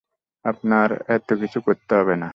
আপনার এতকিছু করতে হবে না।